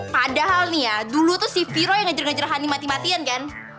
padahal nih ya dulu tuh si viro yang ngajer ngajer honey mati matian kan